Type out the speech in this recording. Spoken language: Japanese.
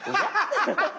ハハハハ！